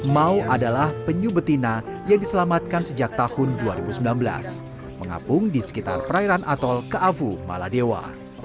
mau adalah penyu betina yang diselamatkan sejak tahun dua ribu sembilan belas mengapung di sekitar perairan atol keafu maladewa